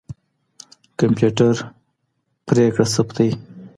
کمپيوټر پرېکړه ثبتوي.